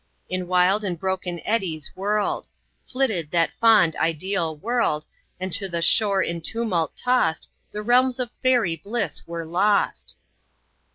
In wild and broken eddies whirl'd. Flitted that fond ideal world, And to the shore in tumult tost The realms of fairy bliss were lost.